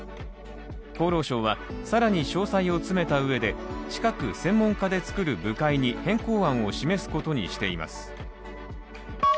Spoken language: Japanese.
厚労省は、更に詳細を詰めたうえで近く専門家でつくる部会に変更案を示すことにしています。